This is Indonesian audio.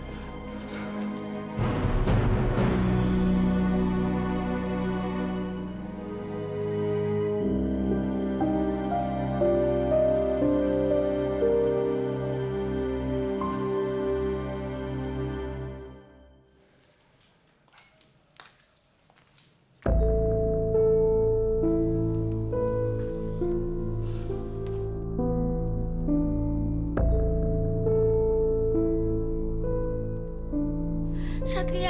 lagi telepon siapa gue kayaknya kawan